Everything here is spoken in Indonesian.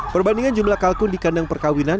perbandingan jumlah kalkun di kandang perkawinan